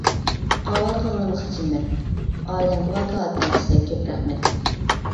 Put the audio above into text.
ئاۋارە قىلغىنىمغا خىجىلمەن، ئائىلەمگە ۋاكالىتەن سىلىگە كۆپ رەھمەت.